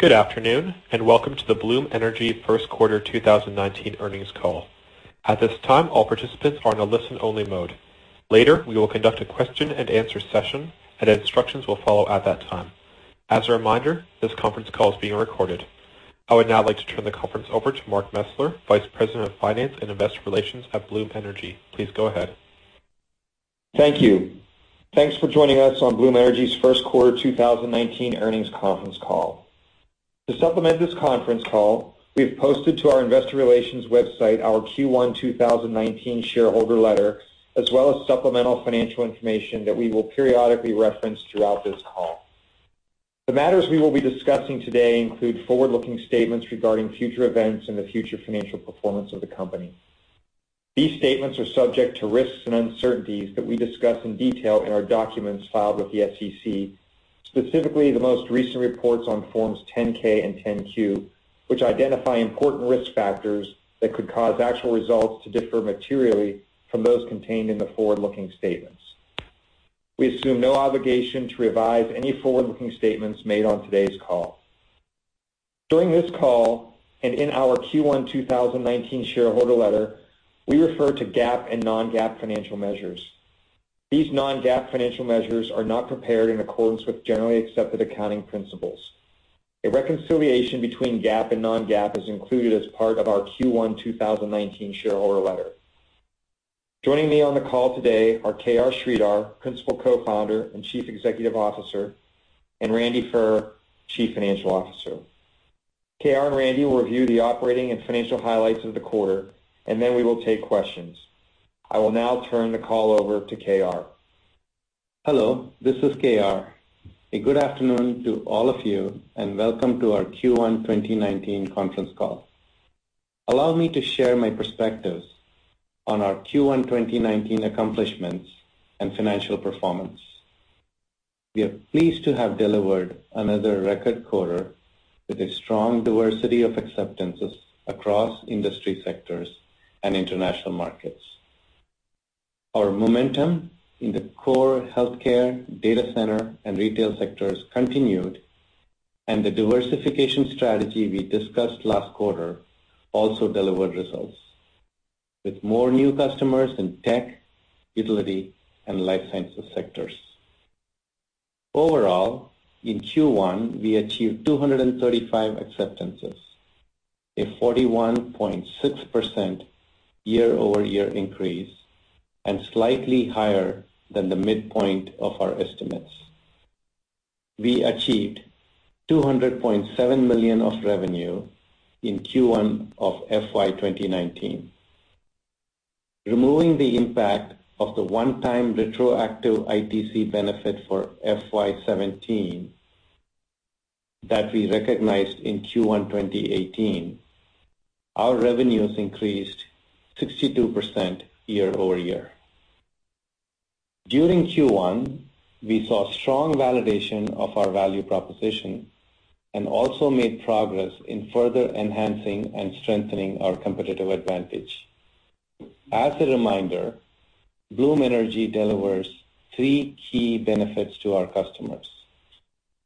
Good afternoon, and welcome to the Bloom Energy first quarter 2019 earnings call. At this time, all participants are in a listen-only mode. Later, we will conduct a question and answer session, and instructions will follow at that time. As a reminder, this conference call is being recorded. I would now like to turn the conference over to Mark Mesler, Vice President of Finance and Investor Relations at Bloom Energy. Please go ahead. Thank you. Thanks for joining us on Bloom Energy's first quarter 2019 earnings conference call. To supplement this conference call, we have posted to our investor relations website our Q1 2019 shareholder letter, as well as supplemental financial information that we will periodically reference throughout this call. The matters we will be discussing today include forward-looking statements regarding future events and the future financial performance of the company. These statements are subject to risks and uncertainties that we discuss in detail in our documents filed with the SEC, specifically the most recent reports on Forms 10-K and 10-Q, which identify important risk factors that could cause actual results to differ materially from those contained in the forward-looking statements. We assume no obligation to revise any forward-looking statements made on today's call. During this call, and in our Q1 2019 shareholder letter, we refer to GAAP and non-GAAP financial measures. These non-GAAP financial measures are not prepared in accordance with generally accepted accounting principles. A reconciliation between GAAP and non-GAAP is included as part of our Q1 2019 shareholder letter. Joining me on the call today are KR Sridhar, Principal Co-founder and Chief Executive Officer, and Randy Furr, Chief Financial Officer. KR and Randy will review the operating and financial highlights of the quarter. Then we will take questions. I will now turn the call over to KR. Hello, this is KR. A good afternoon to all of you, and welcome to our Q1 2019 conference call. Allow me to share my perspectives on our Q1 2019 accomplishments and financial performance. We are pleased to have delivered another record quarter with a strong diversity of acceptances across industry sectors and international markets. Our momentum in the core healthcare, data center, and retail sectors continued. The diversification strategy we discussed last quarter also delivered results with more new customers in tech, utility, and life sciences sectors. Overall, in Q1, we achieved 235 acceptances, a 41.6% year-over-year increase, slightly higher than the midpoint of our estimates. We achieved $200.7 million of revenue in Q1 of FY 2019. Removing the impact of the one-time retroactive ITC benefit for FY 2017 that we recognized in Q1 2018, our revenues increased 62% year-over-year. During Q1, we saw strong validation of our value proposition and also made progress in further enhancing and strengthening our competitive advantage. As a reminder, Bloom Energy delivers three key benefits to our customers: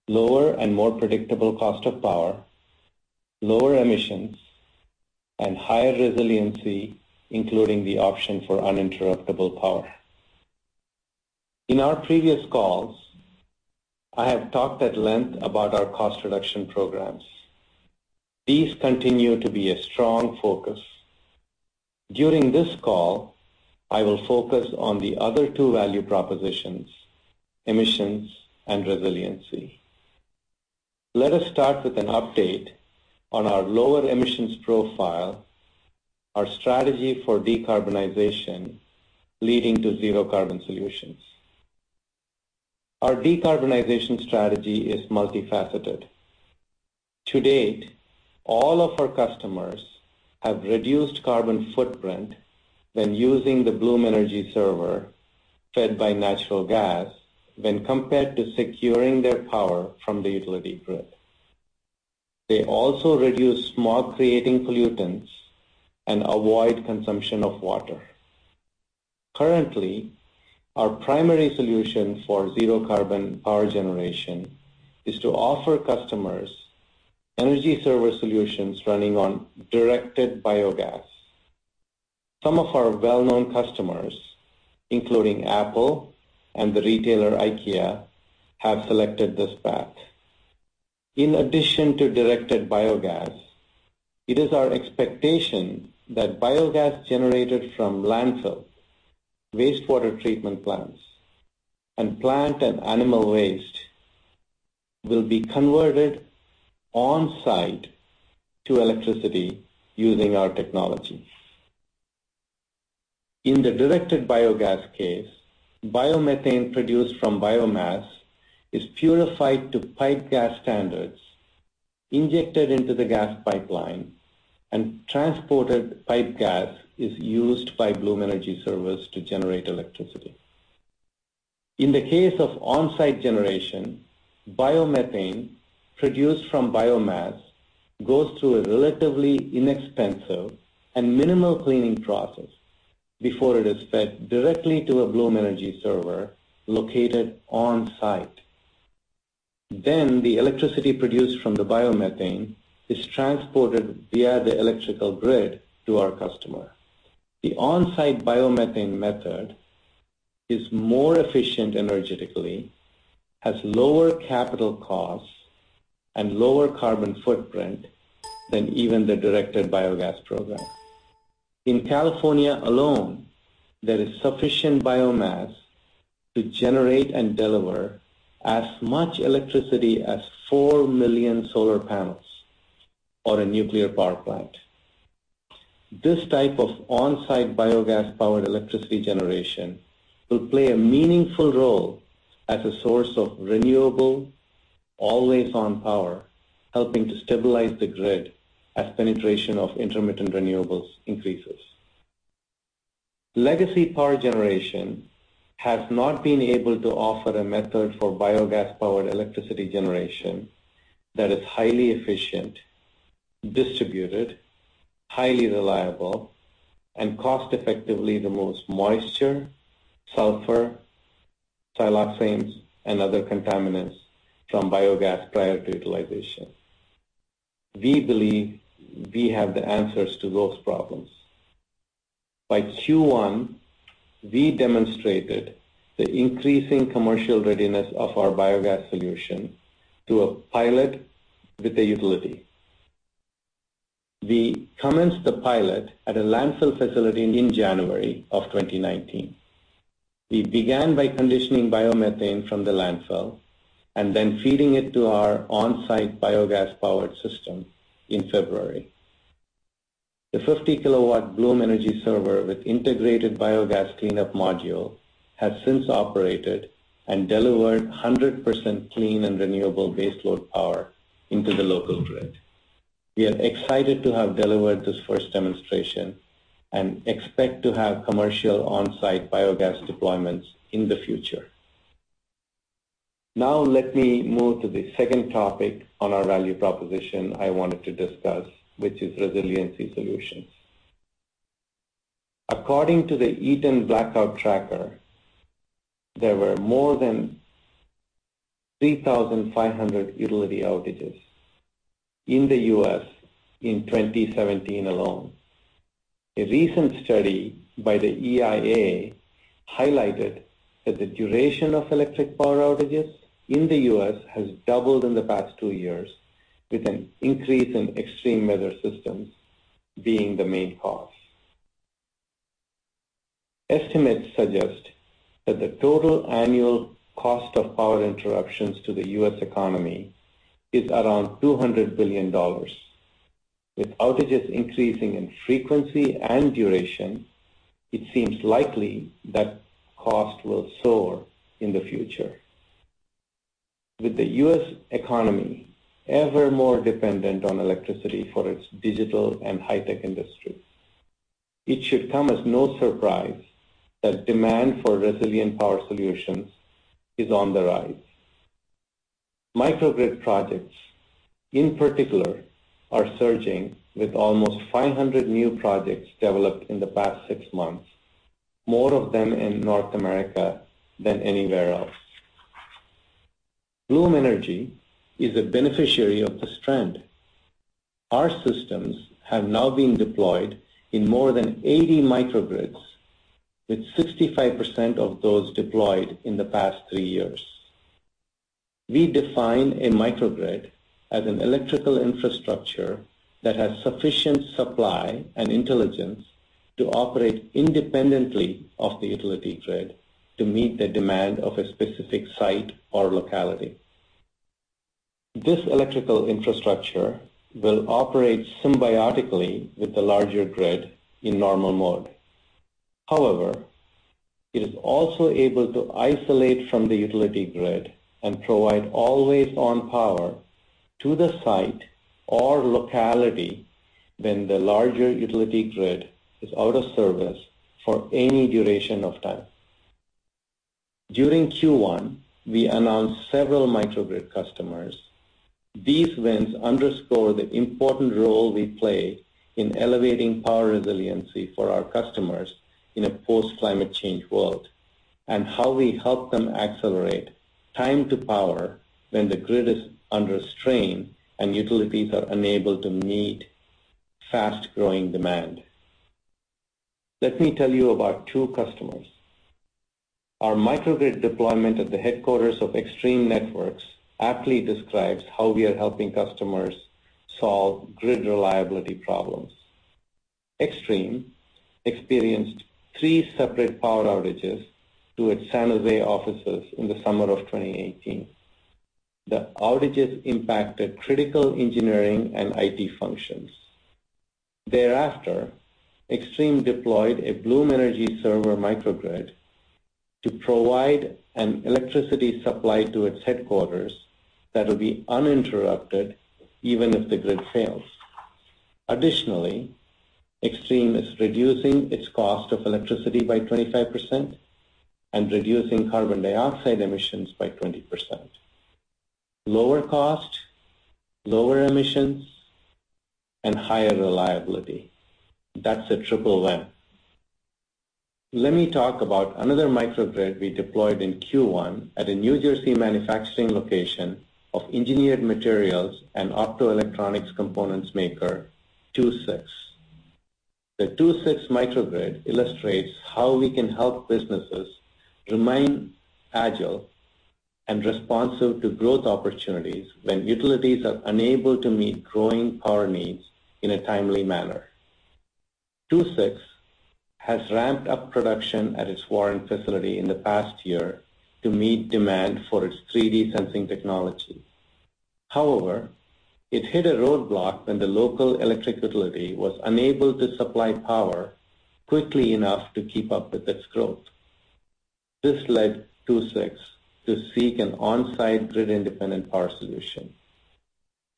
lower and more predictable cost of power, lower emissions, and higher resiliency, including the option for uninterruptible power. In our previous calls, I have talked at length about our cost reduction programs. These continue to be a strong focus. During this call, I will focus on the other two value propositions, emissions and resiliency. Let us start with an update on our lower emissions profile, our strategy for decarbonization, leading to zero carbon solutions. Our decarbonization strategy is multifaceted. To date, all of our customers have reduced carbon footprint when using the Bloom Energy Server fed by natural gas, when compared to securing their power from the utility grid. They also reduce smog-creating pollutants and avoid consumption of water. Currently, our primary solution for zero carbon power generation is to offer customers energy service solutions running on directed biogas. Some of our well-known customers, including Apple and the retailer IKEA, have selected this path. In addition to directed biogas, it is our expectation that biogas generated from landfill, wastewater treatment plants, and plant and animal waste will be converted on-site to electricity using our technology. In the directed biogas case, biomethane produced from biomass is purified to pipe gas standards, injected into the gas pipeline, and transported pipe gas is used by Bloom Energy Servers to generate electricity. In the case of on-site generation, biomethane produced from biomass goes through a relatively inexpensive and minimal cleaning process before it is fed directly to a Bloom Energy Server located on-site. The electricity produced from the biomethane is transported via the electrical grid to our customer. The on-site biomethane method is more efficient energetically, has lower capital costs, and lower carbon footprint than even the directed biogas program. In California alone, there is sufficient biomass to generate and deliver as much electricity as 4 million solar panels or a nuclear power plant. This type of on-site biogas-powered electricity generation will play a meaningful role as a source of renewable, always-on power, helping to stabilize the grid as penetration of intermittent renewables increases. Legacy power generation has not been able to offer a method for biogas-powered electricity generation that is highly efficient, distributed, highly reliable, and cost effectively removes moisture, sulfur, thiophenes, and other contaminants from biogas prior to utilization. We believe we have the answers to those problems. By Q1, we demonstrated the increasing commercial readiness of our biogas solution to a pilot with a utility. We commenced the pilot at a landfill facility in January 2019. We began by conditioning biomethane from the landfill and feeding it to our on-site biogas-powered system in February. The 50-kilowatt Bloom Energy Server with integrated biogas cleanup module has since operated and delivered 100% clean and renewable baseload power into the local grid. We are excited to have delivered this first demonstration and expect to have commercial on-site biogas deployments in the future. Let me move to the second topic on our value proposition I wanted to discuss, which is resiliency solutions. According to the Eaton Blackout Tracker, there were more than 3,500 utility outages in the U.S. in 2017 alone. A recent study by the EIA highlighted that the duration of electric power outages in the U.S. has doubled in the past two years, with an increase in extreme weather systems being the main cause. Estimates suggest that the total annual cost of power interruptions to the U.S. economy is around $200 billion. With outages increasing in frequency and duration, it seems likely that cost will soar in the future. With the U.S. economy ever more dependent on electricity for its digital and high-tech industries, it should come as no surprise that demand for resilient power solutions is on the rise. Microgrid projects, in particular, are surging, with almost 500 new projects developed in the past six months, more of them in North America than anywhere else. Bloom Energy is a beneficiary of this trend. Our systems have now been deployed in more than 80 microgrids, with 65% of those deployed in the past three years. We define a microgrid as an electrical infrastructure that has sufficient supply and intelligence to operate independently of the utility grid to meet the demand of a specific site or locality. This electrical infrastructure will operate symbiotically with the larger grid in normal mode. However, it is also able to isolate from the utility grid and provide always-on power to the site or locality when the larger utility grid is out of service for any duration of time. During Q1, we announced several microgrid customers. These wins underscore the important role we play in elevating power resiliency for our customers in a post-climate change world and how we help them accelerate time to power when the grid is under strain and utilities are unable to meet fast-growing demand. Let me tell you about two customers. Our microgrid deployment at the headquarters of Extreme Networks aptly describes how we are helping customers solve grid reliability problems. Extreme experienced three separate power outages to its San Jose offices in the summer of 2018. The outages impacted critical engineering and IT functions. Thereafter, Extreme deployed a Bloom Energy Server microgrid to provide an electricity supply to its headquarters that will be uninterrupted even if the grid fails. Additionally, Extreme is reducing its cost of electricity by 25% and reducing carbon dioxide emissions by 20%. Lower cost, lower emissions, and higher reliability. That's a triple win. Let me talk about another microgrid we deployed in Q1 at a New Jersey manufacturing location of engineered materials and optoelectronics components maker II-VI. The II-VI microgrid illustrates how we can help businesses remain agile and responsive to growth opportunities when utilities are unable to meet growing power needs in a timely manner. II-VI has ramped up production at its Warren facility in the past year to meet demand for its 3D sensing technology. However, it hit a roadblock when the local electric utility was unable to supply power quickly enough to keep up with its growth. This led II-VI to seek an on-site grid-independent power solution.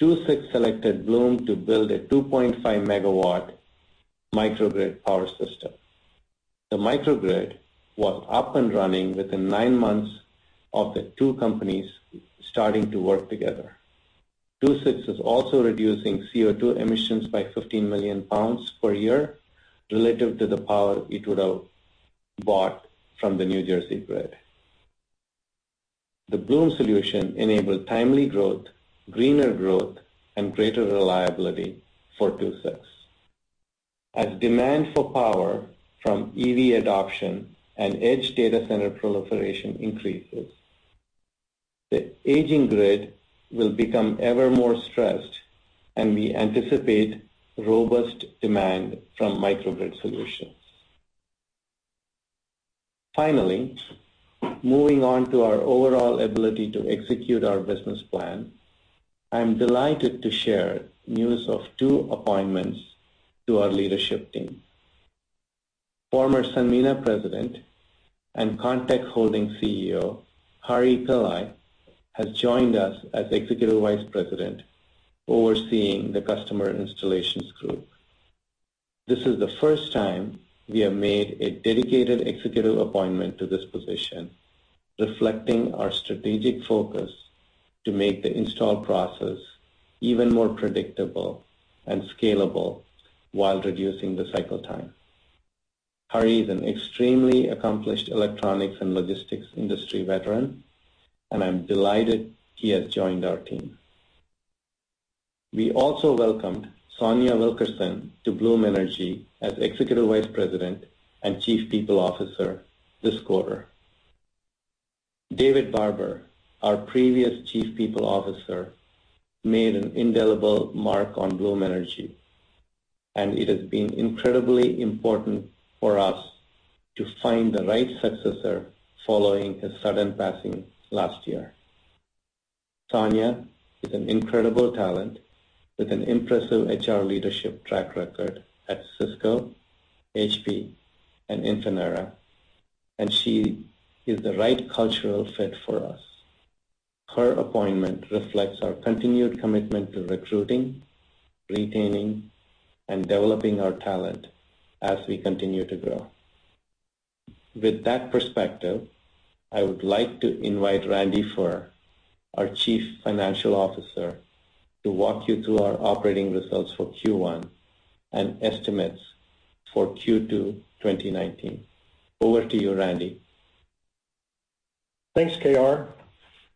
II-VI selected Bloom to build a 2.5 megawatt microgrid power system. The microgrid was up and running within nine months of the two companies starting to work together. II-VI is also reducing CO2 emissions by 15 million pounds per year relative to the power it would have bought from the New Jersey grid. The Bloom solution enabled timely growth, greener growth, and greater reliability for II-VI. As demand for power from EV adoption and edge data center proliferation increases, the aging grid will become ever more stressed, and we anticipate robust demand from microgrid solutions. Finally, moving on to our overall ability to execute our business plan. I am delighted to share news of two appointments to our leadership team. Former Sanmina President and Contec Holdings CEO, Hari Pillai, has joined us as Executive Vice President, overseeing the Customer Installations Group. This is the first time we have made a dedicated executive appointment to this position, reflecting our strategic focus to make the install process even more predictable and scalable while reducing the cycle time. Hari is an extremely accomplished electronics and logistics industry veteran, and I am delighted he has joined our team. We also welcomed Sonja Wilkerson to Bloom Energy as Executive Vice President and Chief People Officer this quarter. David Barber, our previous Chief People Officer, made an indelible mark on Bloom Energy, and it has been incredibly important for us to find the right successor following his sudden passing last year. Sonja is an incredible talent with an impressive HR leadership track record at Cisco, HP, and Infinera, and she is the right cultural fit for us. Her appointment reflects our continued commitment to recruiting, retaining, and developing our talent as we continue to grow. With that perspective, I would like to invite Randy Furr, our Chief Financial Officer, to walk you through our operating results for Q1 and estimates for Q2 2019. Over to you, Randy. Thanks, KR.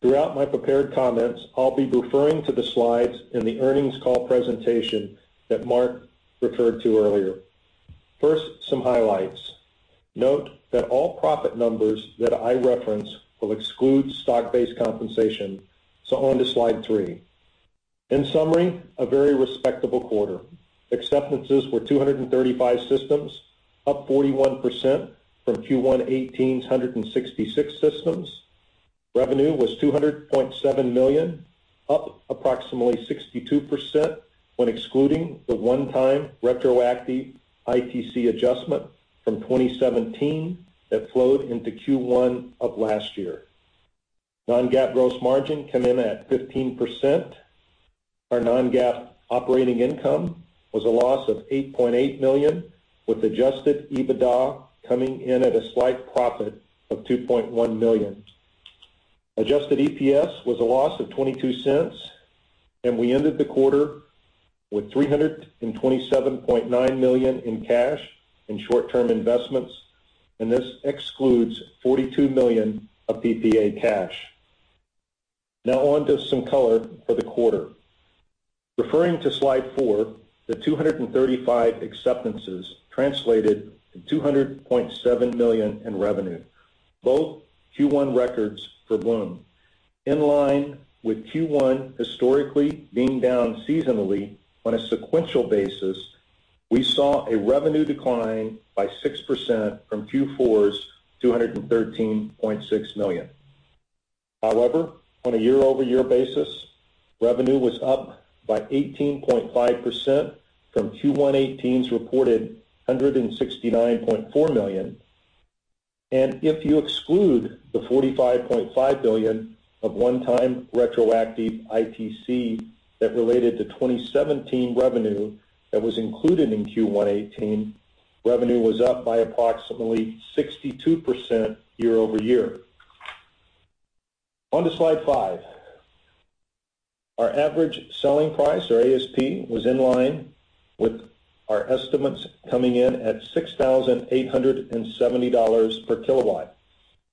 Throughout my prepared comments, I will be referring to the slides in the earnings call presentation that Mark referred to earlier. First, some highlights. Note that all profit numbers that I reference will exclude stock-based compensation. So on to slide three. In summary, a very respectable quarter. Acceptances were 235 systems, up 41% from Q1 '18's 166 systems. Revenue was $200.7 million, up approximately 62% when excluding the one-time retroactive ITC adjustment from 2017 that flowed into Q1 of last year. Non-GAAP gross margin came in at 15%. Our Non-GAAP operating income was a loss of $8.8 million, with adjusted EBITDA coming in at a slight profit of $2.1 million. Adjusted EPS was a loss of $0.22, and we ended the quarter with $327.9 million in cash and short-term investments, and this excludes $42 million of PPA cash. Now on to some color for the quarter. Referring to slide four, the 235 acceptances translated to $200.7 million in revenue, both Q1 records for Bloom. In line with Q1 historically being down seasonally on a sequential basis, we saw a revenue decline by 6% from Q4's $213.6 million. However, on a year-over-year basis, revenue was up by 18.5% from Q1 '18's reported $169.4 million. And if you exclude the $45.5 million of one-time retroactive ITC that related to 2017 revenue that was included in Q1 '18-Revenue was up by approximately 62% year-over-year. On to slide five. Our average selling price, or ASP, was in line with our estimates coming in at $6,870 per kilowatt.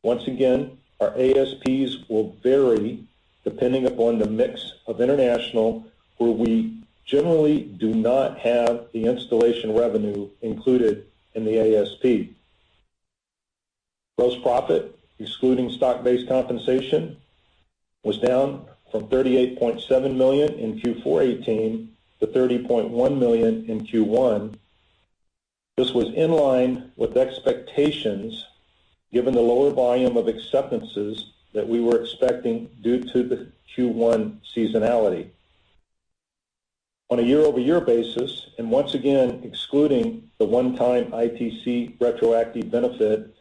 Once again, our ASPs will vary depending upon the mix of international, where we generally do not have the installation revenue included in the ASP. Gross profit, excluding stock-based compensation, was down from $38.7 million in Q4 '18 to $30.1 million in Q1. This was in line with expectations, given the lower volume of acceptances that we were expecting due to the Q1 seasonality. On a year-over-year basis, and once again, excluding the one-time ITC retroactive benefit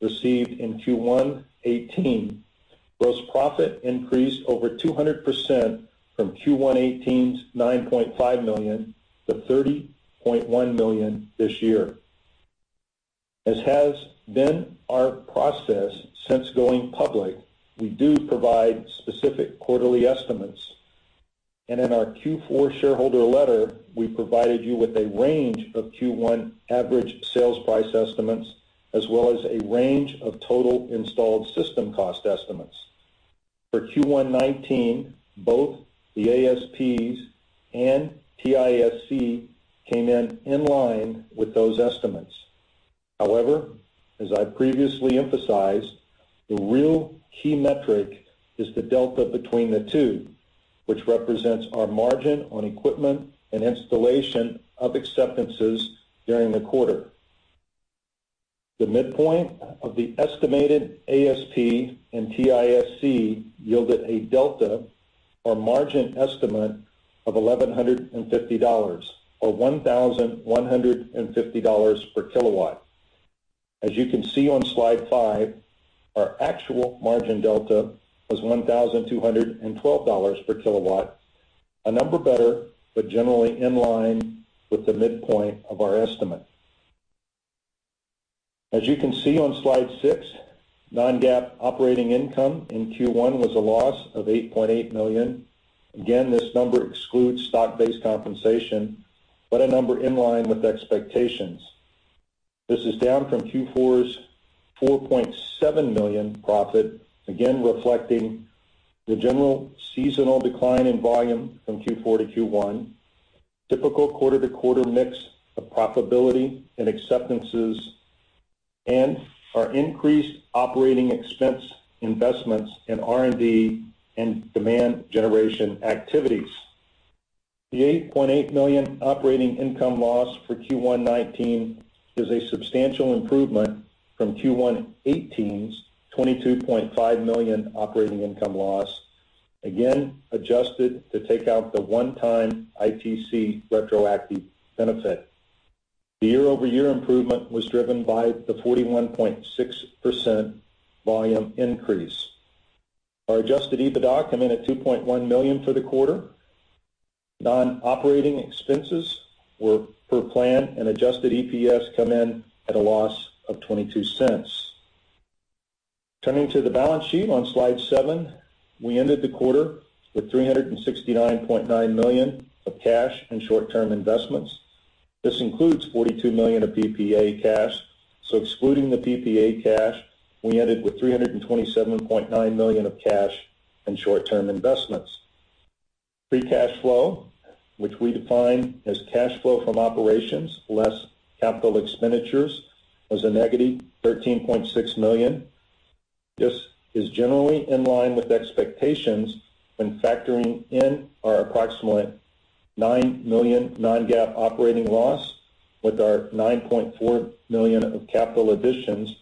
received in Q1 2018, gross profit increased over 200% from Q1 2018's $9.5 million to $30.1 million this year. As has been our process since going public, we do provide specific quarterly estimates, and in our Q4 shareholder letter, we provided you with a range of Q1 average sales price estimates, as well as a range of total installed system cost estimates. For Q1 2019, both the ASPs and TISC came in in line with those estimates. However, as I previously emphasized, the real key metric is the delta between the two, which represents our margin on equipment and installation of acceptances during the quarter. The midpoint of the estimated ASP and TISC yielded a delta or margin estimate of $1,150, or $1,150 per kilowatt. As you can see on slide five, our actual margin delta was $1,212 per kilowatt, a number better, but generally in line with the midpoint of our estimate. As you can see on slide six, non-GAAP operating income in Q1 was a loss of $8.8 million. Again, this number excludes stock-based compensation, but a number in line with expectations. This is down from Q4's $4.7 million profit, again reflecting the general seasonal decline in volume from Q4 to Q1, typical quarter-to-quarter mix of profitability and acceptances, and our increased operating expense investments in R&D and demand generation activities. The $8.8 million operating income loss for Q1 2019 is a substantial improvement from Q1 2018's $22.5 million operating income loss, again adjusted to take out the one-time ITC retroactive benefit. The year-over-year improvement was driven by the 41.6% volume increase. Our adjusted EBITDA come in at $2.1 million for the quarter. Non-operating expenses were per plan, and adjusted EPS come in at a loss of $0.22. Turning to the balance sheet on slide seven, we ended the quarter with $369.9 million of cash and short-term investments. This includes $42 million of PPA cash, so excluding the PPA cash, we ended with $327.9 million of cash and short-term investments. Free cash flow, which we define as cash flow from operations, less capital expenditures, was a negative $13.6 million. This is generally in line with expectations when factoring in our approximately $9 million non-GAAP operating loss with our $9.4 million of capital additions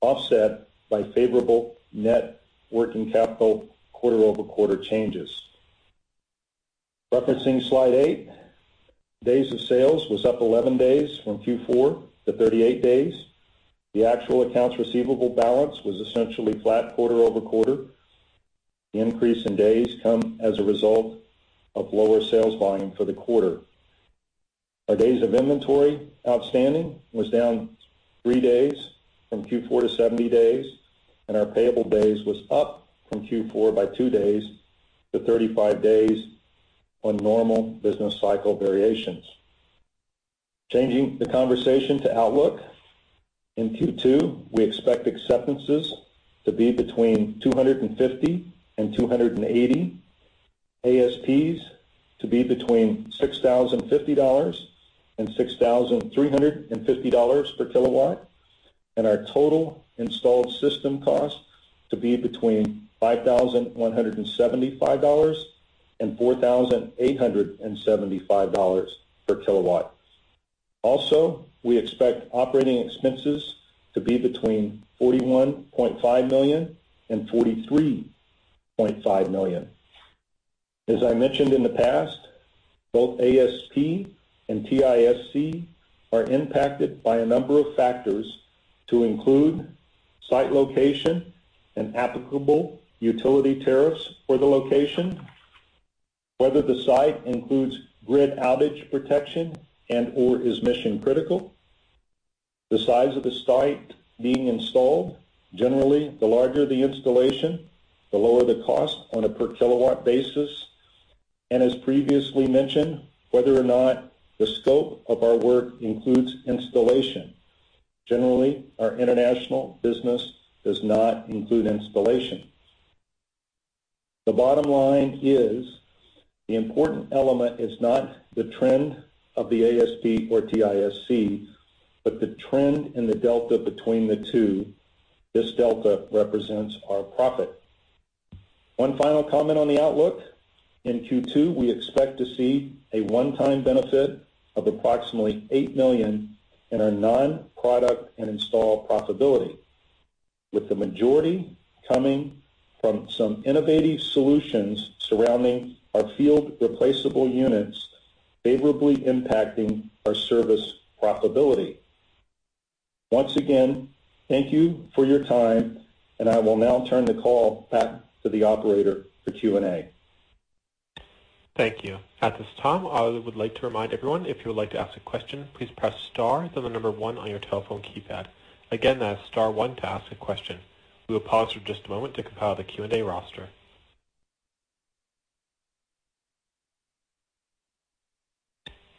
offset by favorable net working capital quarter-over-quarter changes. Referencing slide eight, days of sales was up 11 days from Q4 to 38 days. The actual accounts receivable balance was essentially flat quarter over quarter. The increase in days come as a result of lower sales volume for the quarter. Our days of inventory outstanding was down three days from Q4 to 70 days, and our payable days was up from Q4 by two days to 35 days on normal business cycle variations. Changing the conversation to outlook, in Q2, we expect acceptances to be between 250 and 280, ASPs to be between $6,050 and $6,350 per kilowatt, and our total installed system cost to be between $5,175 and $4,875 per kilowatt. Also, we expect operating expenses to be between $41.5 million and $43.5 million. As I mentioned in the past, both ASP and TISC are impacted by a number of factors to include site location and applicable utility tariffs for the location. Whether the site includes grid outage protection and/or is mission-critical, the size of the site being installed, generally, the larger the installation, the lower the cost on a per kilowatt basis, and as previously mentioned, whether or not the scope of our work includes installation. Generally, our international business does not include installation. The bottom line is the important element is not the trend of the ASP or TISC, but the trend in the delta between the two. This delta represents our profit. One final comment on the outlook. In Q2, we expect to see a one-time benefit of approximately $8 million in our non-product and install profitability, with the majority coming from some innovative solutions surrounding our field replaceable units favorably impacting our service profitability. Once again, thank you for your time. I will now turn the call back to the operator for Q&A. Thank you. At this time, I would like to remind everyone, if you would like to ask a question, please press star, then number 1 on your telephone keypad. Again, that is star 1 to ask a question. We will pause for just a moment to compile the Q&A roster.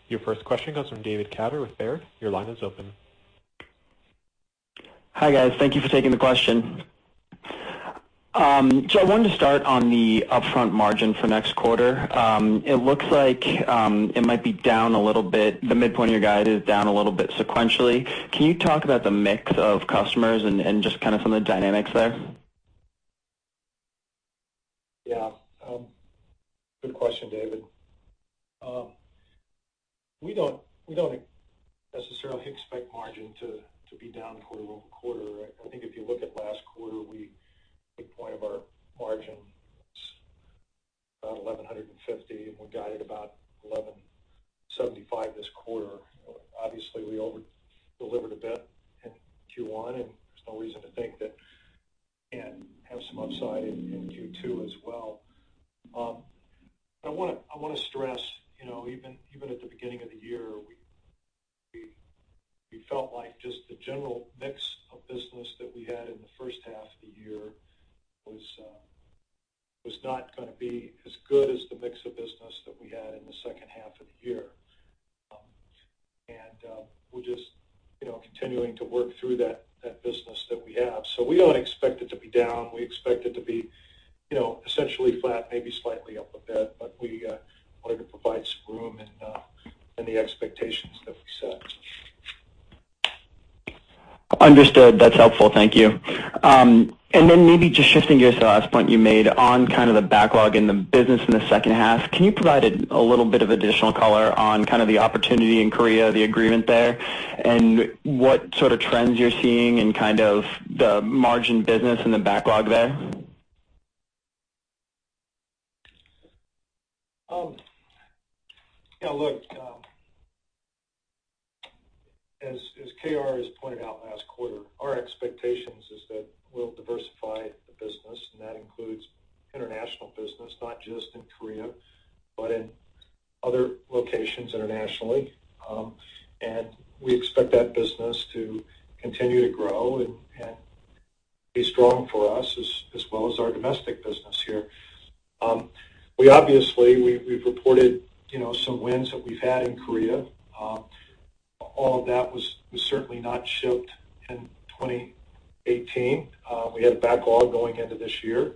Your first question comes from David Katter with Baird. Your line is open. Hi, guys. Thank you for taking the question. I wanted to start on the upfront margin for next quarter. It looks like it might be down a little bit. The midpoint of your guide is down a little bit sequentially. Can you talk about the mix of customers and just kind of some of the dynamics there? Good question, David. We don't necessarily expect margin to be down quarter-over-quarter. I think if you look at last quarter, midpoint of our margin was about 1,150, we guided about 1,175 this quarter. Obviously, we over-delivered a bit in Q1, there's no reason to think that we can't have some upside in Q2 as well. I want to stress, even at the beginning of the year, we felt like just the general mix of business that we had in the first half of the year was not going to be as good as the mix of business that we had in the second half of the year. We're just continuing to work through that business that we have. We don't expect it to be down. We expect it to be essentially flat, maybe slightly up a bit. We wanted to provide some room in the expectations that we set. Understood. That's helpful. Thank you. Then maybe just shifting gears to the last point you made on kind of the backlog in the business in the second half, can you provide a little bit of additional color on kind of the opportunity in Korea, the agreement there, and what sort of trends you're seeing in kind of the margin business and the backlog there? Look. As KR has pointed out last quarter, our expectations is that we'll diversify the business, that includes international business, not just in Korea, but in other locations internationally. We expect that business to continue to grow and be strong for us, as well as our domestic business here. We obviously, we've reported some wins that we've had in Korea. All of that was certainly not shipped in 2018. We had a backlog going into this year.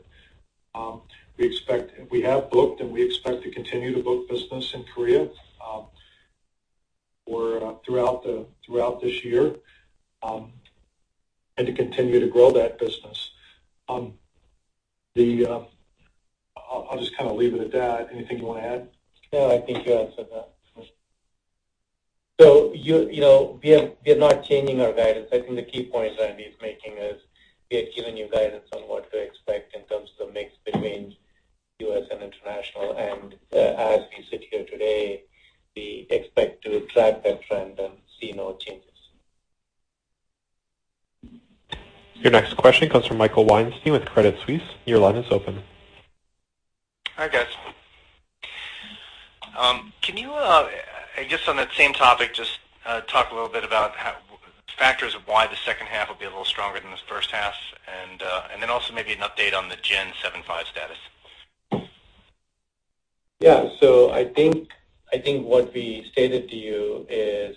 We have booked, we expect to continue to book business in Korea for throughout this year, to continue to grow that business. I'll just kind of leave it at that. Anything you want to add? No, I think you answered that. We are not changing our guidance. I think the key point Randy's making is we had given you guidance on what to expect in terms of the mix between U.S. and international. As we sit here today, we expect to track that trend and see no changes. Your next question comes from Michael Weinstein with Credit Suisse. Your line is open. Hi, guys. I guess on that same topic, just talk a little bit about factors of why the second half will be a little stronger than the first half and then also maybe an update on the Gen 7.5 status? Yeah. I think what we stated to you is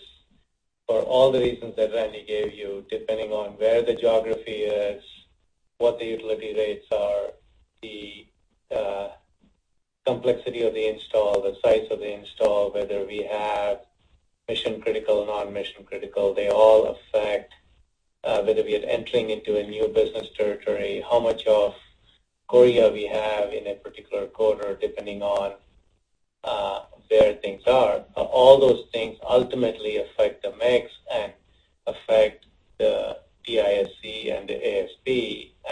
for all the reasons that Randy gave you, depending on where the geography is, what the utility rates are, the complexity of the install, the size of the install, whether we have mission-critical or non-mission-critical, they all affect whether we are entering into a new business territory, how much of Korea we have in a particular quarter, depending on where things are. All those things ultimately affect the mix and affect the TISC and the ASP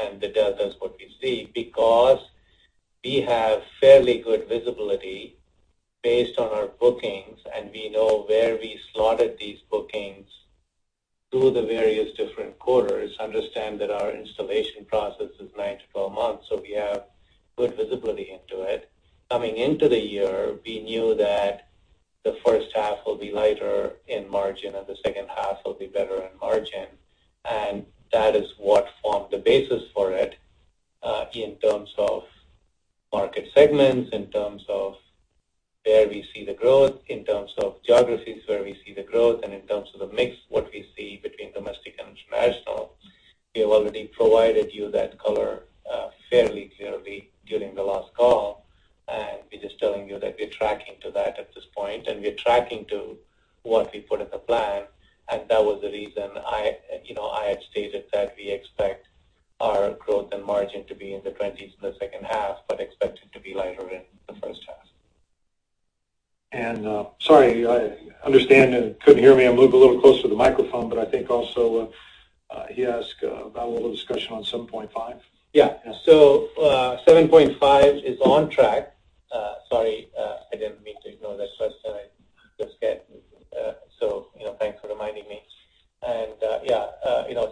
and the deltas what we see, because we have fairly good visibility based on our bookings, and we know where we slotted these bookings through the various different quarters, understand that our installation process is nine to 12 months, we have good visibility into it. Coming into the year, we knew that the first half will be lighter in margin and the second half will be better in margin. That is what formed the basis for it, in terms of market segments, in terms of where we see the growth, in terms of geographies where we see the growth, and in terms of the mix, what we see between domestic and international. We have already provided you that color fairly clearly during the last call. We're just telling you that we're tracking to that at this point. We are tracking to what we put in the plan. That was the reason I had stated that we expect our growth and margin to be in the 20s in the second half, but expect it to be lighter in the first half. Sorry, I understand you couldn't hear me. I moved a little closer to the microphone. I think also he asked about a little discussion on 7.5. Yeah. 7.5 is on track. Sorry, I didn't mean to ignore that question. Thanks for reminding me. Yeah.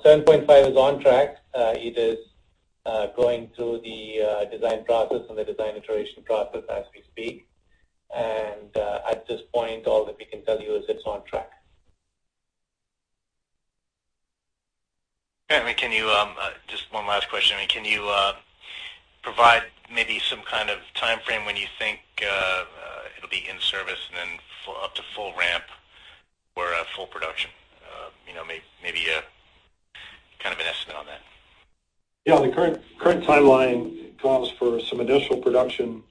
7.5 is on track. It is going through the design process and the design iteration process as we speak. At this point, all that we can tell you is it's on track. Can you, just one last question. Can you provide maybe some kind of timeframe when you think it'll be in service and then up to full ramp or full production? Maybe kind of an estimate on that. Yeah. The current timeline calls for some initial production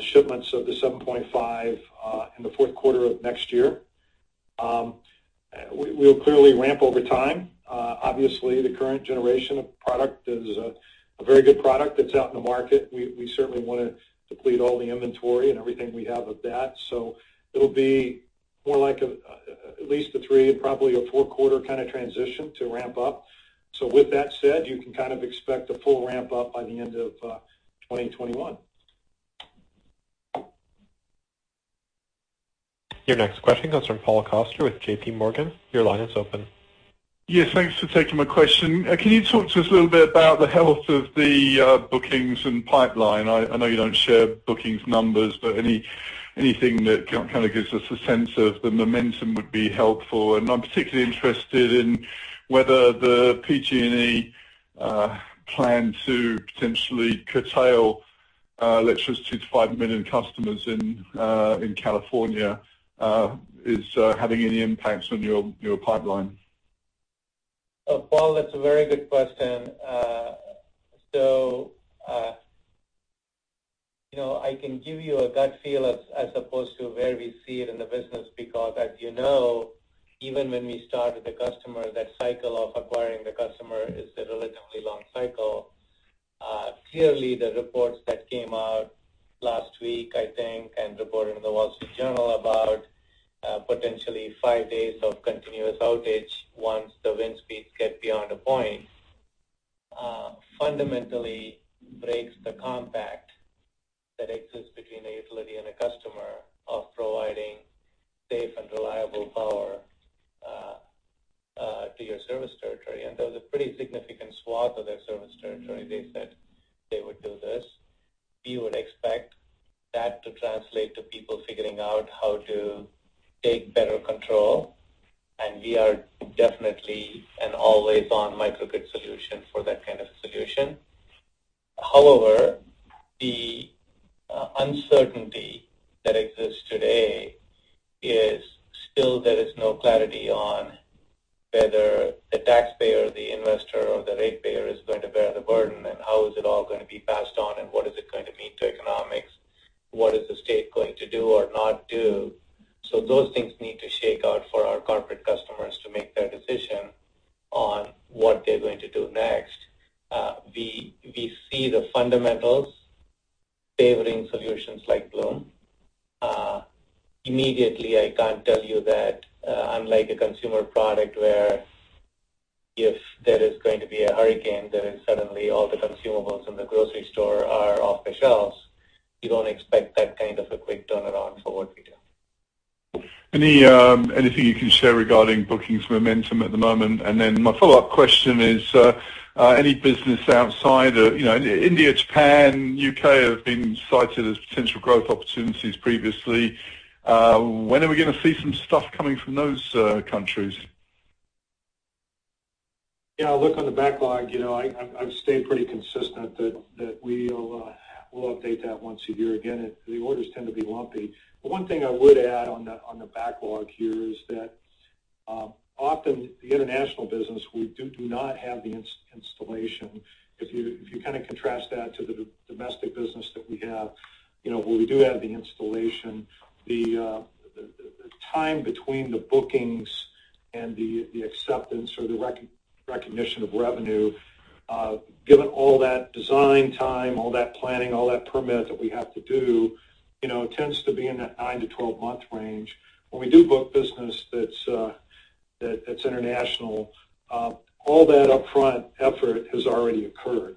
shipments of the 7.5 in the fourth quarter of next year. We'll clearly ramp over time. Obviously, the current generation of product is a very good product that's out in the market. We certainly want to deplete all the inventory and everything we have of that. It'll be more like at least a three, probably a four-quarter kind of transition to ramp up. With that said, you can kind of expect a full ramp up by the end of 2021. Your next question comes from Paul Coster with JP Morgan. Your line is open. Yes, thanks for taking my question. Can you talk to us a little bit about the health of the bookings and pipeline? I know you don't share bookings numbers, but anything that kind of gives us a sense of the momentum would be helpful. I'm particularly interested in whether the PG&E plan to potentially curtail electricity to five million customers in California, is having any impacts on your pipeline. Paul, that's a very good question. I can give you a gut feel as opposed to where we see it in the business because as you know, even when we start with the customer, that cycle of acquiring the customer is a relatively long cycle. Clearly, the reports that came out last week, I think, and the report in The Wall Street Journal about potentially five days of continuous outage once the wind speeds get beyond a point, fundamentally breaks the compact that exists between a utility and a customer of providing safe and reliable power to your service territory. There was a pretty significant swath of their service territory they said they would do this. We would expect that to translate to people figuring out how to take better control, and we are definitely an always-on microgrid solution for that kind of solution. The uncertainty that exists today is still there is no clarity on whether the taxpayer, the investor, or the ratepayer is going to bear the burden and how is it all going to be passed on and what is it going to mean to economics? What is the state going to do or not do? Those things need to shake out for our corporate customers to make their decision on what they're going to do next. We see the fundamentals favoring solutions like Bloom. Immediately, I can't tell you that, unlike a consumer product where if there is going to be a hurricane, then suddenly all the consumables in the grocery store are off the shelves. You don't expect that kind of a quick turnaround for what we do. Anything you can share regarding bookings momentum at the moment? My follow-up question is, any business outside of-- India, Japan, U.K. have been cited as potential growth opportunities previously. When are we going to see some stuff coming from those countries? Look, on the backlog, I've stayed pretty consistent that we'll update that once a year. Again, the orders tend to be lumpy. The one thing I would add on the backlog here is that often the international business, we do not have the installation. If you kind of contrast that to the domestic business that we have, where we do have the installation, the time between the bookings and the acceptance or the recognition of revenue, given all that design time, all that planning, all that permit that we have to do, tends to be in that nine to 12 month range. When we do book business that's international, all that upfront effort has already occurred.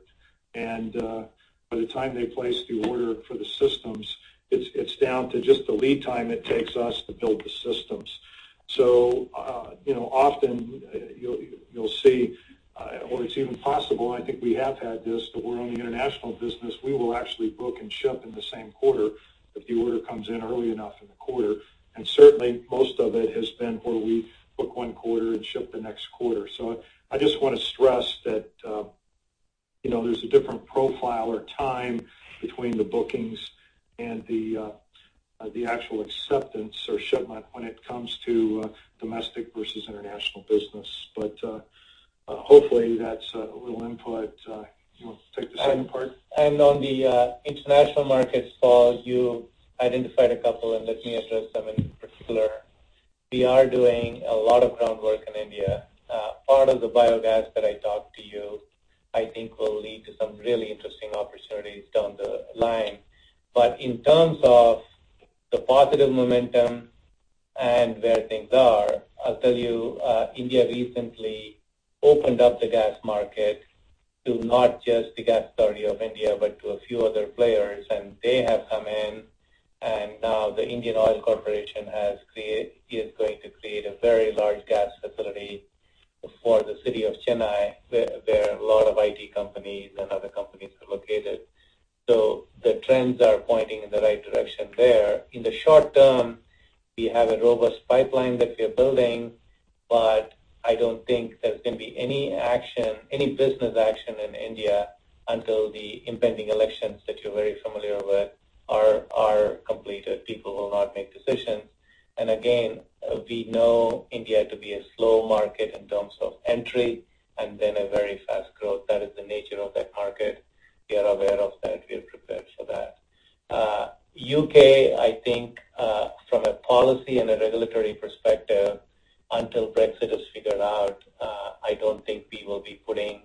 By the time they place the order for the systems, it's down to just the lead time it takes us to build the systems. Often you'll see or it's even possible, I think we have had this, but we're only an international business. We will actually book and ship in the same quarter if the order comes in early enough in the quarter. Certainly, most of it has been where we book one quarter and ship the next quarter. I just want to stress that there's a different profile or time between the bookings and the actual acceptance or shipment when it comes to domestic versus international business. Hopefully, that's a little input. You want to take the second part? On the international markets, Paul, you identified a couple. Let me address them in particular. We are doing a lot of groundwork in India. Part of the biogas that I talked to you, I think will lead to some really interesting opportunities down the line. In terms of the positive momentum and where things are, I'll tell you, India recently opened up the gas market to not just the Gas Authority of India, but to a few other players. They have come in, and now the Indian Oil Corporation is going to create a very large gas facility for the city of Chennai, where a lot of IT companies and other companies are located. The trends are pointing in the right direction there. In the short term, we have a robust pipeline that we are building. I don't think there's going to be any business action in India until the impending elections that you're very familiar with are completed. People will not make decisions. Again, we know India to be a slow market in terms of entry and then a very fast growth. That is the nature of that market. We are aware of that. We are prepared for that. U.K., I think, from a policy and a regulatory perspective, until Brexit is figured out, I don't think we will be putting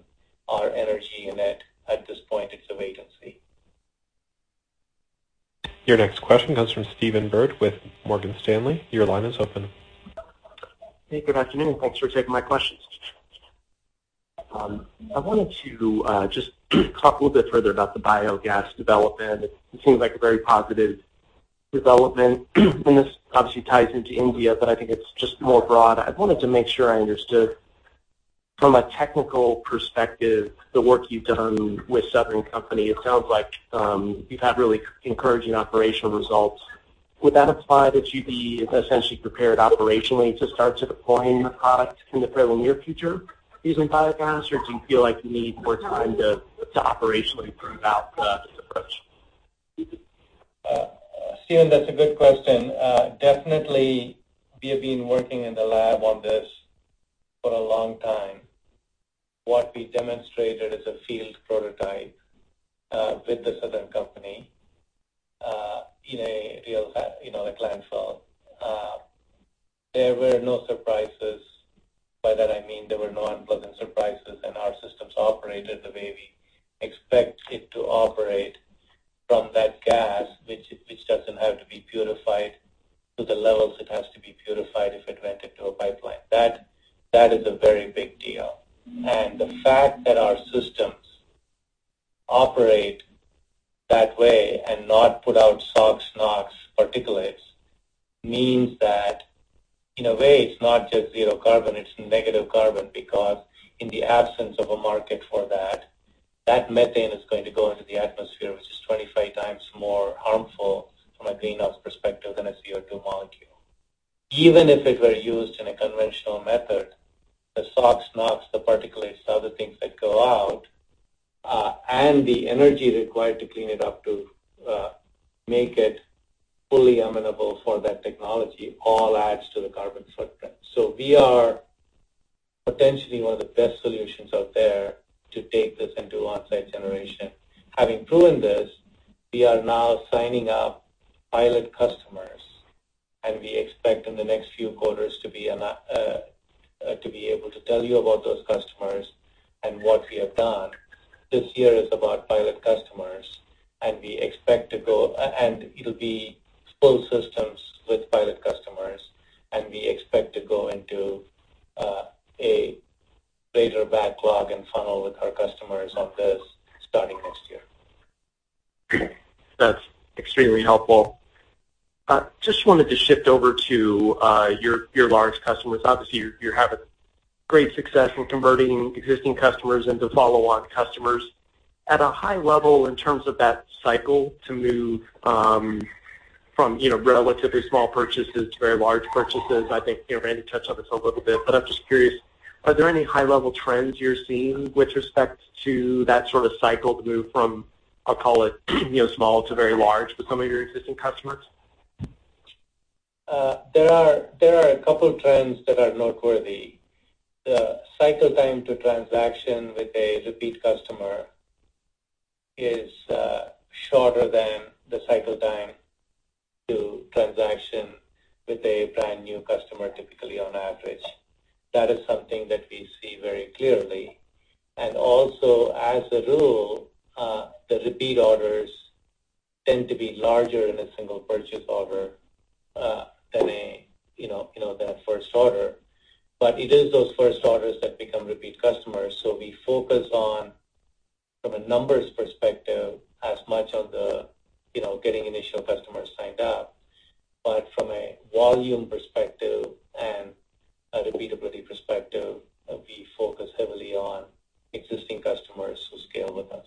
our energy in it at this point. It's a wait-and-see. Your next question comes from Stephen Byrd with Morgan Stanley. Your line is open. Hey, good afternoon. Thanks for taking my questions. I wanted to just talk a little bit further about the biogas development. It seems like a very positive development. This obviously ties into India. I think it's just more broad. I wanted to make sure I understood from a technical perspective the work you've done with Southern Company. It sounds like you've had really encouraging operational results. Would that imply that you'd be essentially prepared operationally to start deploying the product in the fairly near future using biogas, or do you feel like you need more time to operationally prove out the approach? Stephen, that's a good question. Definitely, we have been working in the lab on this for a long time. What we demonstrated is a field prototype, with the Southern Company, in a real, a landfill. There were no surprises. By that I mean there were no unpleasant surprises, and our systems operated the way we expect it to operate from that gas, which doesn't have to be purified to the levels it has to be purified if it went into a pipeline. That is a very big deal. The fact that our systems operate that way and not put out SOx, NOx particulates means that in a way, it's not just zero carbon, it's negative carbon, because in the absence of a market for that methane is going to go into the atmosphere, which is 25 times more harmful from a greenhouse perspective than a CO2 molecule. Even if it were used in a conventional method, the SOx, NOx, the particulates, the other things that go out, and the energy required to clean it up to make it fully amenable for that technology all adds to the carbon footprint. We are potentially one of the best solutions out there to take this into on-site generation. Having proven this, we are now signing up pilot customers. We expect in the next few quarters to be able to tell you about those customers and what we have done. This year is about pilot customers. It'll be full systems with pilot customers. We expect to go into a greater backlog and funnel with our customers on this starting next year. That's extremely helpful. Just wanted to shift over to your large customers. Obviously, you're having great success with converting existing customers into follow-on customers. At a high level in terms of that cycle to move from relatively small purchases to very large purchases, I think Randy touched on this a little bit, but I'm just curious, are there any high-level trends you're seeing with respect to that sort of cycle to move from, I'll call it, small to very large with some of your existing customers? There are a couple trends that are noteworthy. The cycle time to transaction with a repeat customer is shorter than the cycle time to transaction with a brand-new customer, typically on average. That is something that we see very clearly. Also, as a rule, the repeat orders tend to be larger in a single purchase order than a first order. It is those first orders that become repeat customers. We focus on, from a numbers perspective, as much on the getting initial customers signed up. From a volume perspective and a repeatability perspective, we focus heavily on existing customers who scale with us.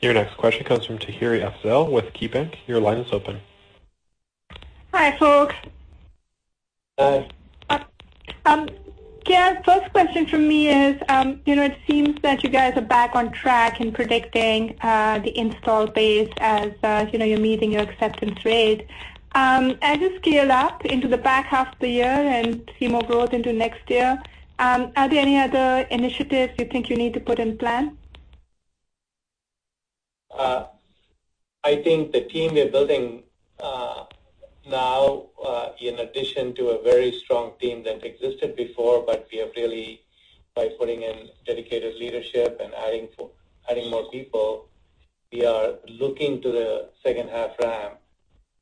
Your next question comes from Tahira Afzal with KeyBanc. Your line is open. Hi, folks. Hi. KR, first question from me is, it seems that you guys are back on track in predicting the install base as you're meeting your acceptance rate. As you scale up into the back half of the year and see more growth into next year, are there any other initiatives you think you need to put in plan? I think the team we're building now, in addition to a very strong team that existed before, we have really, by putting in dedicated leadership and adding more people, we are looking to the second half ramp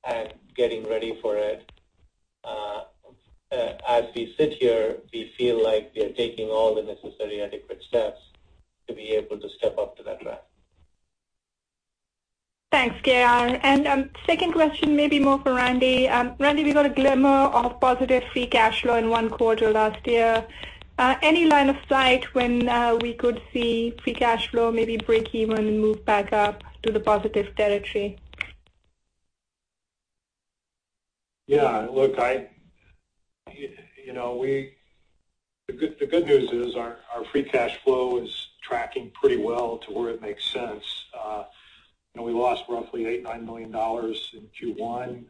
and getting ready for it. As we sit here, we feel like we are taking all the necessary and adequate steps to be able to step up to that ramp. Thanks, KR. Second question may be more for Randy. Randy, we got a glimmer of positive free cash flow in one quarter last year. Any line of sight when we could see free cash flow, maybe break even and move back up to the positive territory? Yeah. Look, the good news is our free cash flow is tracking pretty well to where it makes sense. We lost roughly $8 million, $9 million in Q1.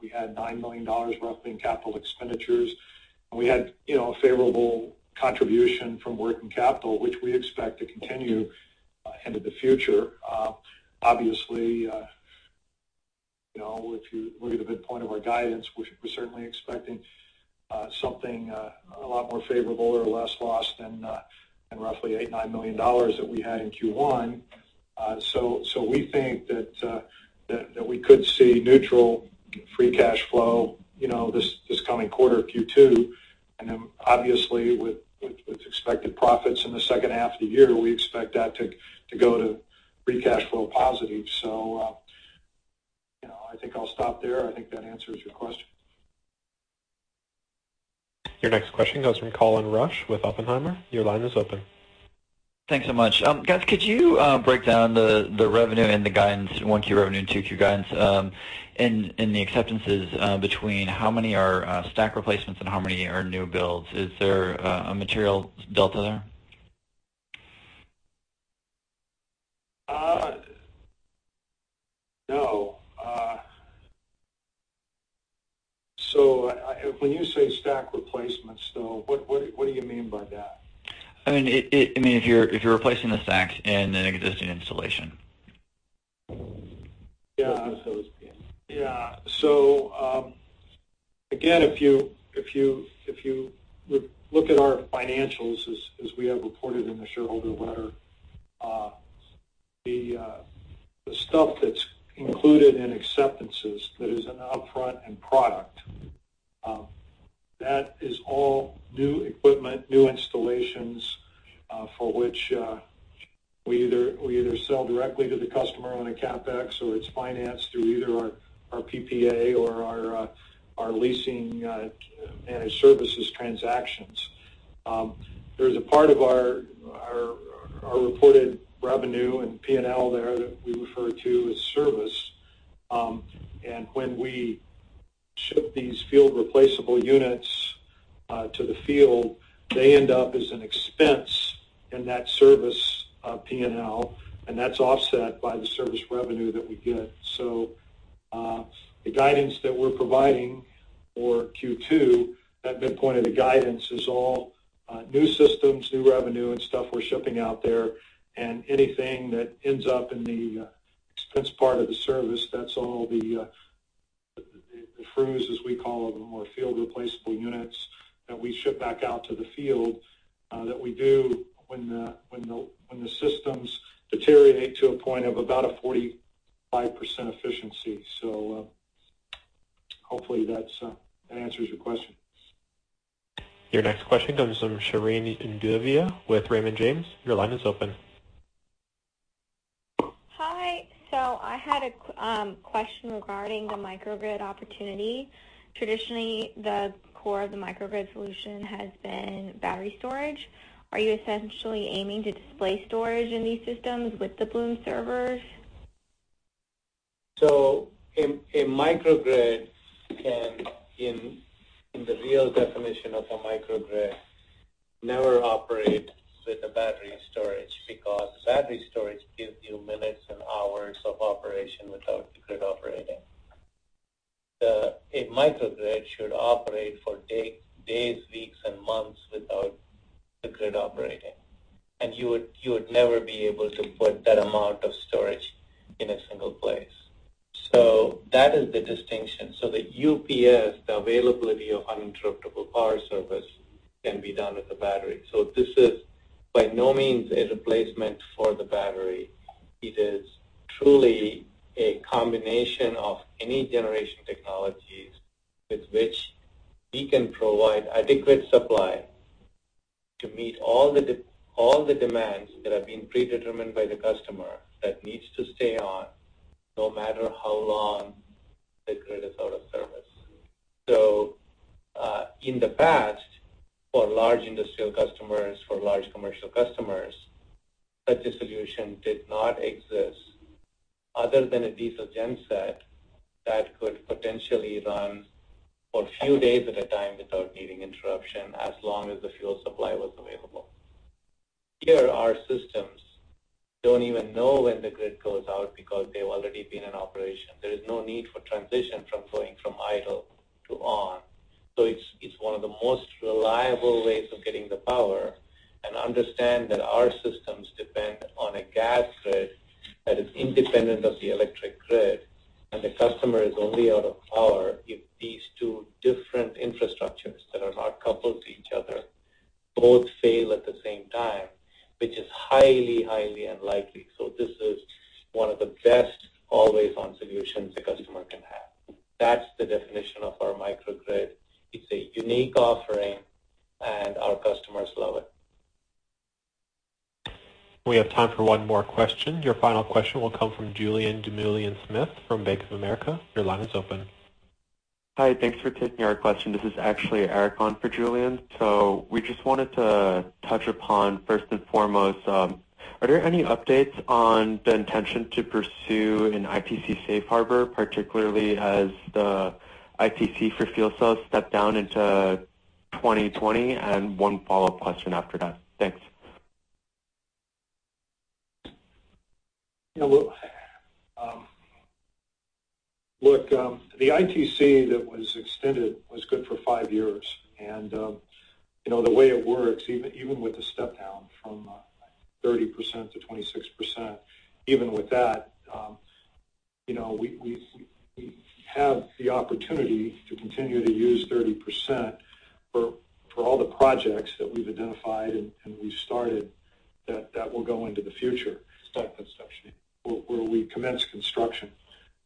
We had $9 million roughly in CapEx. We had a favorable contribution from working capital, which we expect to continue into the future. Obviously, if you look at the midpoint of our guidance, we're certainly expecting something a lot more favorable or less loss than roughly $8 million, $9 million that we had in Q1. We think that we could see neutral free cash flow this coming quarter, Q2. Obviously with expected profits in the second half of the year, we expect that to go to free cash flow positive. I think I'll stop there. I think that answers your question. Your next question comes from Colin Rusch with Oppenheimer. Your line is open. Thanks so much. Guys, could you break down the revenue and the guidance, 1Q revenue and 2Q guidance, the acceptances between how many are stack replacements and how many are new builds. Is there a material delta there? No. When you say stack replacements, though, what do you mean by that? I mean, if you're replacing the stacks in an existing installation. Yeah. Again, if you would look at our financials as we have reported in the shareholder letter, the stuff that's included in acceptances that is in upfront and product, that is all new equipment, new installations, for which we either sell directly to the customer on a CapEx or it's financed through either our PPA or our leasing managed services transactions. There's a part of our reported revenue and P&L there that we refer to as service, and when we ship these field replaceable units to the field, they end up as an expense in that service P&L, and that's offset by the service revenue that we get. The guidance that we're providing for Q2, that midpoint of the guidance is all new systems, new revenue, and stuff we're shipping out there, and anything that ends up in the expense part of the service, that's all the FRUs, as we call them, or field replaceable units that we ship back out to the field, that we do when the systems deteriorate to a point of about a 45% efficiency. Hopefully that answers your question. Your next question comes from Shereen Undavia with Raymond James. Your line is open. Hi. I had a question regarding the microgrid opportunity. Traditionally, the core of the microgrid solution has been battery storage. Are you essentially aiming to display storage in these systems with the Bloom servers? A microgrid can, in the real definition of a microgrid, never operate with a battery storage because battery storage gives you minutes and hours of operation without the grid operating. A microgrid should operate for days, weeks, and months without the grid operating, and you would never be able to put that amount of storage in a single place. That is the distinction. The UPS, the availability of uninterruptible power service, can be done with the battery. This is by no means a replacement for the battery. It is truly a combination of any generation technologies with which we can provide adequate supply to meet all the demands that have been predetermined by the customer that needs to stay on no matter how long the grid is out of service. In the past, for large industrial customers, for large commercial customers, such a solution did not exist other than a diesel gen set that could potentially run for a few days at a time without needing interruption as long as the fuel supply was available. Here, our systems don't even know when the grid goes out because they've already been in operation. There is no need for transition from going from idle to on. It's one of the most reliable ways of getting the power, and understand that our systems depend on a gas grid that is independent of the electric grid, and the customer is only out of power if these two different infrastructures that are not coupled to each other both fail at the same time, which is highly unlikely. This is one of the best always-on solutions a customer can have. That's the definition of our microgrid. It's a unique offering, and our customers love it. We have time for one more question. Your final question will come from Julien Dumoulin-Smith from Bank of America. Your line is open. Hi. Thanks for taking our question. This is actually Eric on for Julien. We just wanted to touch upon, first and foremost, are there any updates on the intention to pursue an ITC safe harbor, particularly as the ITC for fuel cells stepped down into 2020? One follow-up question after that. Thanks. Look, the ITC that was extended was good for five years and the way it works, even with the step down from 30% to 26%, even with that we have the opportunity to continue to use 30% for all the projects that we've identified and we've started that will go into the future. Start construction. Where we commence construction.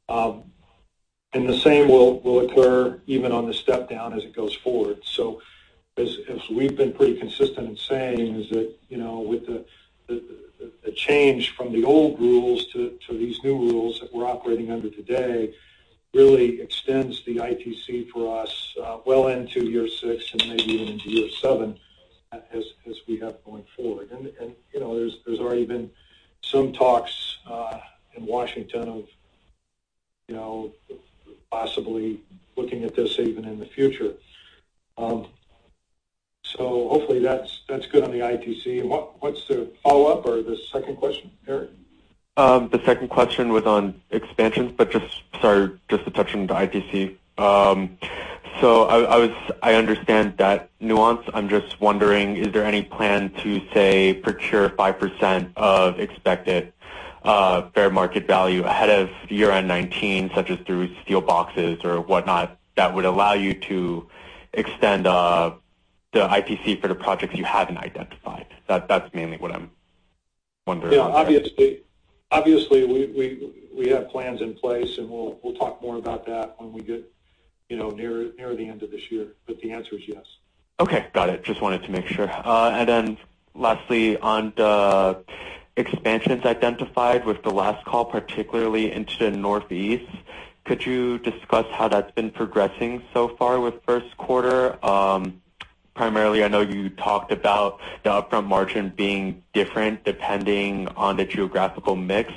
The same will occur even on the step down as it goes forward. As we've been pretty consistent in saying is that, with the change from the old rules to these new rules that we're operating under today really extends the ITC for us well into year six and maybe even into year seven as we have going forward. There's already been some talks in Washington of possibly looking at this even in the future. Hopefully that's good on the ITC. What's the follow-up or the second question, Eric? The second question was on expansions, just, sorry, just a touch on the ITC. I understand that nuance. I'm just wondering, is there any plan to, say, procure 5% of expected fair market value ahead of year-end 2019, such as through steel boxes or whatnot, that would allow you to extend the ITC for the projects you haven't identified? That's mainly what I'm wondering. Yeah. Obviously, we have plans in place, and we'll talk more about that when we get nearer the end of this year. The answer is yes. Okay. Got it. Just wanted to make sure. Lastly, on the expansions identified with the last call, particularly into the Northeast, could you discuss how that's been progressing so far with first quarter? Primarily, I know you talked about the upfront margin being different depending on the geographical mix.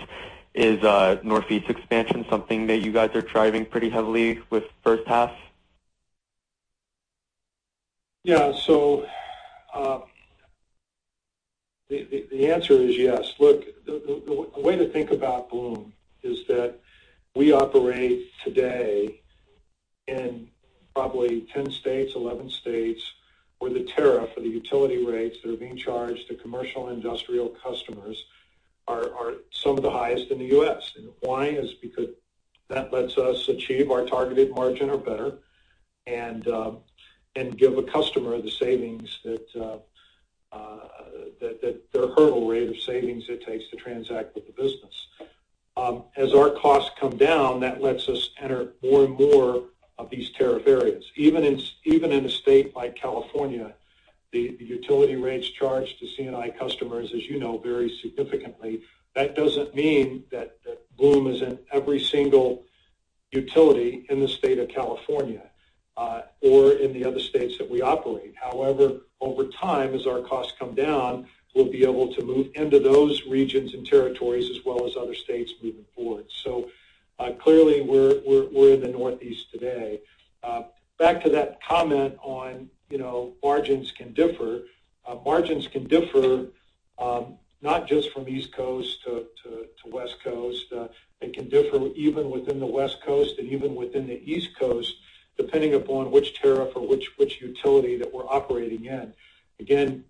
Is Northeast expansion something that you guys are driving pretty heavily with first half? Yeah. The answer is yes. Look, the way to think about Bloom is that we operate today in probably 10 states, 11 states, where the tariff or the utility rates that are being charged to commercial and industrial customers are some of the highest in the U.S. Why? Is because that lets us achieve our targeted margin or better and give a customer the savings, their hurdle rate of savings it takes to transact with the business. As our costs come down, that lets us enter more and more of these tariff areas. Even in a state like California, the utility rates charged to C&I customers, as you know, vary significantly. That doesn't mean that Bloom is in every single utility in the state of California or in the other states that we operate. However, over time, as our costs come down, we'll be able to move into those regions and territories as well as other states moving forward. Clearly we're in the Northeast today. Back to that comment on margins can differ. Margins can differ, not just from East Coast to West Coast. They can differ even within the West Coast and even within the East Coast, depending upon which tariff or which utility that we're operating in. Again,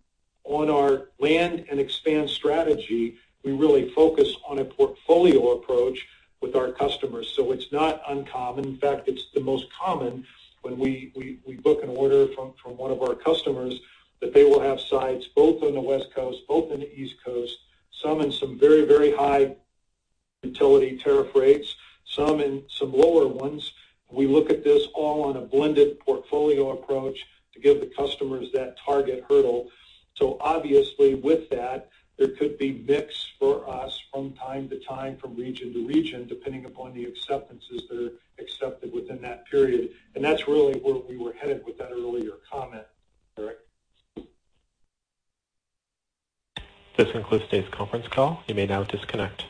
on our land and expand strategy, we really focus on a portfolio approach with our customers. It's not uncommon. In fact, it's the most common when we book an order from one of our customers that they will have sites both on the West Coast, both on the East Coast, some in some very, very high utility tariff rates, some in some lower ones. We look at this all on a blended portfolio approach to give the customers that target hurdle. Obviously, with that, there could be mix for us from time to time, from region to region, depending upon the acceptances that are accepted within that period. That's really where we were headed with that earlier comment, Eric. This concludes today's conference call. You may now disconnect.